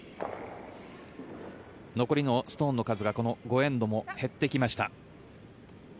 残りのストーンの数がこの５エンドも減ってきました。